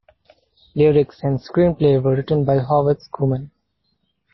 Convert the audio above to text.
Lyrics and screenplay were written by Howard Schuman.